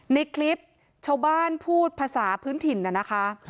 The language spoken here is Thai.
ในคลิปชาวบ้านพูดภาษาพื้นถิ่นน่ะนะคะ